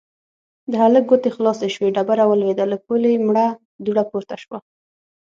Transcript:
د هلک ګوتې خلاصې شوې، ډبره ولوېده، له پولې مړه دوړه پورته شوه.